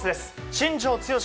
新庄剛志